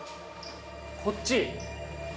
こっち？